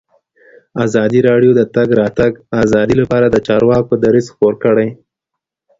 ازادي راډیو د د تګ راتګ ازادي لپاره د چارواکو دریځ خپور کړی.